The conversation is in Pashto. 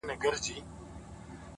د برزخي ژوند دقيقې دې رانه کچي نه کړې _